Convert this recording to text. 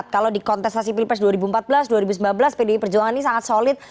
kalau di kontestasi pilpres dua ribu empat belas dua ribu sembilan belas pdi perjuangan ini sangat solid